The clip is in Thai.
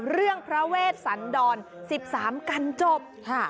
เรื่องพระเวชสันดร๑๓กันจบ